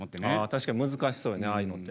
確かに難しそうよねああいうのってね。